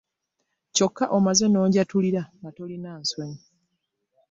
Kyokka omaze n'onjatulira nga tolina nsonyi.